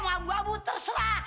mau abu abu terserah